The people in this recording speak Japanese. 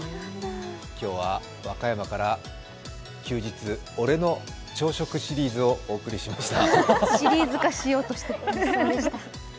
今日は和歌山から休日俺の朝食シリーズをお送りしました。